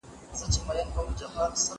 غېږه تشه ستا له سپینو مړوندونو